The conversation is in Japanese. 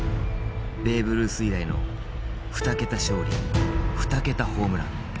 ベーブ・ルース以来の２桁勝利２桁ホームラン。